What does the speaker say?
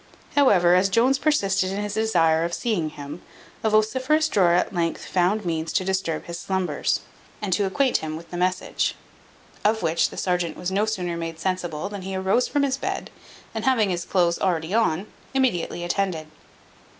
However, as Jones persisted in his desire of seeing him, a vociferous drawer at length found means to disturb his slumbers, and to acquaint him with the message. Of which the serjeant was no sooner made sensible, than he arose from his bed, and having his clothes already on, immediately attended.